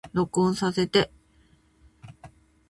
録音させて